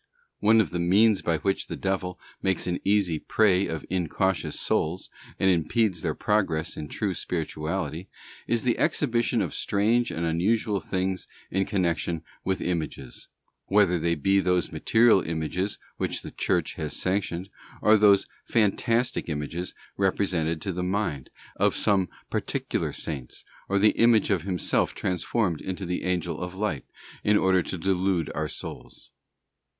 One of the means by which the devil makes an easy prey of incautious souls, and impedes their progress in true spirituality, is the exhibition of strange and unusual things in connection with images; whether they be those material images which the Church has sanctioned, or those fantastic images represented to the mind, of some particular Saints, or the image of himself transformed into an angel of light,* in order to delude our souls.